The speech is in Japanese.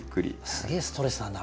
すげえストレスなんだろうな